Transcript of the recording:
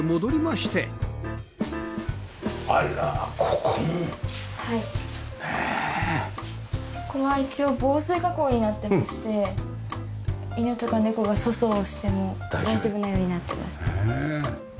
ここは一応防水加工になってまして犬とか猫が粗相をしても大丈夫なようになってます。